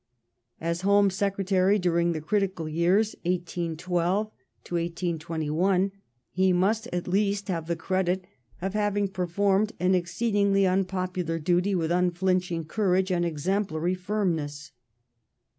As Home Secretary during the critical yeai*s 1812 1821 he must at least have the credit of having performed an exceedingly un popular duty with unflinching courage and exemplary firmness.